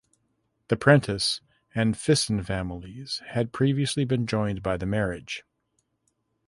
The Prentice and Fison families had previously been joined by the marriage.